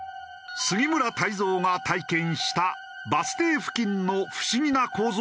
杉村太蔵が体験したバス停付近の不思議な構造とは？